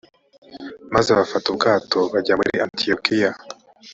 maze bafata ubwato bajya muri antiyokiya